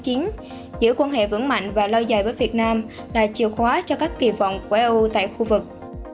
giữ quan hệ vững mạnh và lo dài với việt nam là chìa khóa cho các kỳ vọng của eu tại khu vực